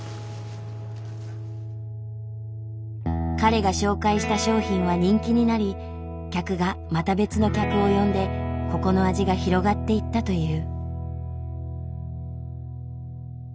彼が紹介した商品は人気になり客がまた別の客を呼んでここの味が広がっていったという。